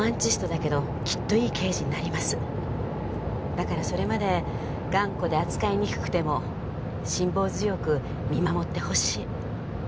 だからそれまで頑固で扱いにくくても辛抱強く見守ってほしい。